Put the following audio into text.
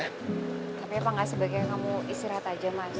tapi apa gak sebagai kamu istirahat aja mas